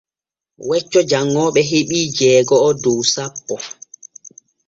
Wecco janŋooɓe heɓii jeego’o dow sappo.